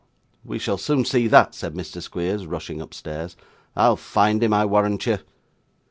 'We shall soon see that,' said Mr. Squeers, rushing upstairs. 'I'll find him, I warrant you.